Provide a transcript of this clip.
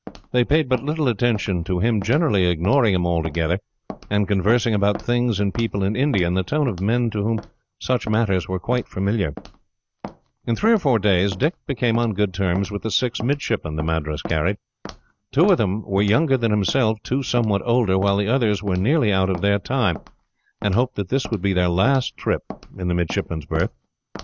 They paid but little attention to him, generally ignoring him altogether, and conversing about things and people in India, in the tone of men to whom such matters were quite familiar. In three or four days, Dick became on good terms with the six midshipmen the Madras carried. Two of them were younger than himself, two somewhat older, while the others were nearly out of their time, and hoped that this would be their last trip in the midshipmen's berth.